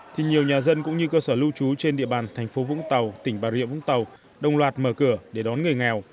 thì nhiều nhà dân cũng như cơ sở lưu trú trên địa bàn thành phố vũng tàu tỉnh bà rịa vũng tàu đồng loạt mở cửa để đón người nghèo